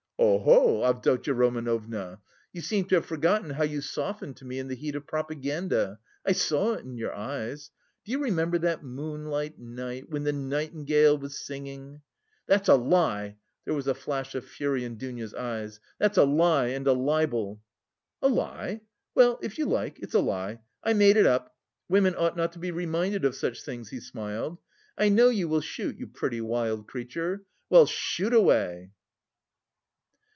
"Oho, Avdotya Romanovna! You seem to have forgotten how you softened to me in the heat of propaganda. I saw it in your eyes. Do you remember that moonlight night, when the nightingale was singing?" "That's a lie," there was a flash of fury in Dounia's eyes, "that's a lie and a libel!" "A lie? Well, if you like, it's a lie. I made it up. Women ought not to be reminded of such things," he smiled. "I know you will shoot, you pretty wild creature. Well, shoot away!"